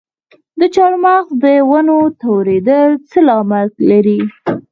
د چهارمغز د ونو توریدل څه لامل لري؟